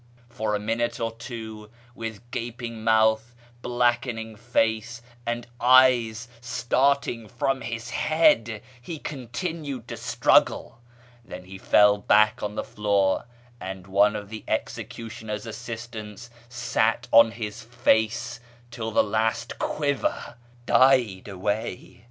For a minute or two, with gaping mouth, blackening face, and eyes starting from his head, he continued to struggle ; then he fell back on the floor, and one of the executioner's assistants sat on his face till the last quiver died aw^ay.